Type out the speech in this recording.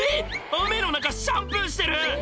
⁉雨の中シャンプーしてる！